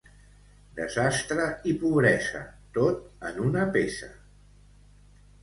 Desastre i pobresa, tot en una peça.